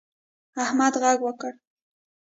احمد غږ وکړ.